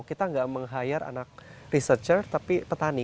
kita nggak meng hire anak researcher tapi petani